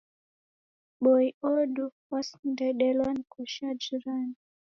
Boi odu wasindelwa na koshi ya jirani.